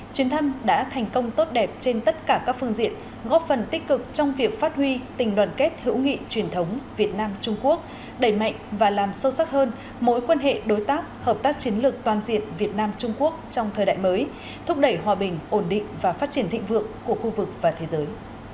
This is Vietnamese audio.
chuyến thăm đã thành công tốt đẹp trên tất cả các phương diện góp phần tích cực trong việc phát huy tình đoàn kết hữu nghị truyền thống việt nam trung quốc đẩy mạnh và làm sâu sắc hơn mối quan hệ đối tác hợp tác chiến lược toàn diện việt nam trung quốc trong thời đại mới thúc đẩy hòa bình ổn định và phát triển thịnh vượng của khu vực và thế giới